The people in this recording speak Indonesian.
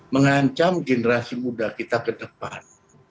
mengancam generasi muda kita ke depan